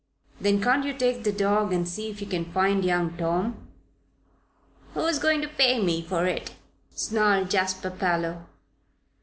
"Then, can't you take the dog and see if you can find young Tom?" "Who's going to pay me for it?" snarled Jasper Parloe.